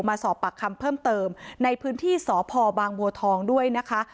มาสอบปากคำเพิ่มเติมในพื้นที่สพบางบัวทองด้วยนะคะ